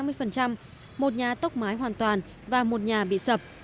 một nhà tốc mái hoàn toàn và một nhà bị sập